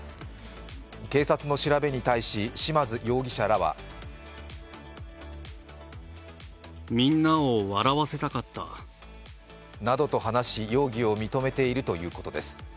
警察の調べに対し、嶋津容疑者らはなどと話し、容疑を認めているということです。